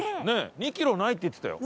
２キロないって言ってたよ。